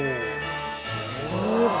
すごい！